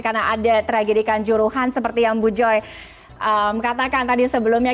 karena ada tragedikan juruhan seperti yang bu joy katakan tadi sebelumnya